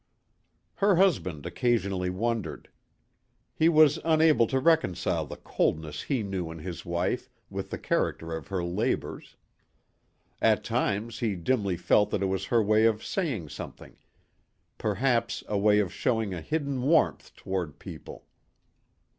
Her husband occasionally wondered. He was unable to reconcile the coldness he knew in his wife with the character of her labors. At times he dimly felt that it was her way of saying something perhaps a way of showing a hidden warmth toward people.